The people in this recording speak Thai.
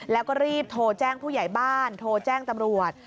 แล้วก็รีบโทรแจ้งผู้ใหญ่บ้านโทรแจ้งตำรวจ